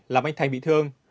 làm anh thành bị thương